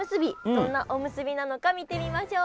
どんなおむすびなのか見てみましょう。